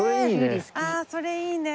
ああそれいいね。